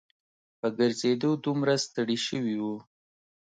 په ګرځېدو دومره ستړي شوي وو.